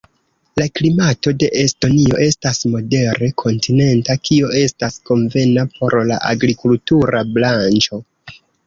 La klimato de Estonio estas modere kontinenta, kio estas konvena por la agrikultura branĉo.